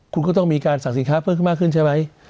คุณก็ต้องมีการสั่งสินค้าเพิ่มขึ้นมากขึ้นใช่ไหม